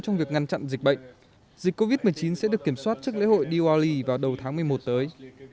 trong việc ngăn chặn dịch bệnh dịch covid một mươi chín sẽ được kiểm soát trước lễ hội diwali vào đầu tháng một mươi một tới